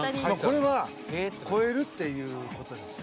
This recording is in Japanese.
これは超えるっていう事ですよ。